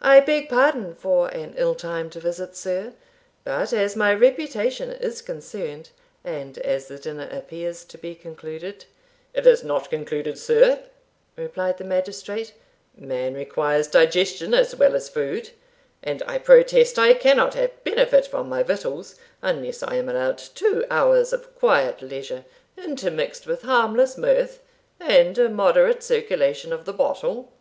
"I beg pardon for an ill timed visit, sir; but as my reputation is concerned, and as the dinner appears to be concluded" "It is not concluded, sir," replied the magistrate; "man requires digestion as well as food, and I protest I cannot have benefit from my victuals unless I am allowed two hours of quiet leisure, intermixed with harmless mirth, and a moderate circulation of the bottle."